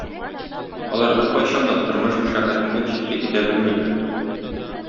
Алар беркайчан да тормыш мәшәкатеннән читкә китә белмиләр.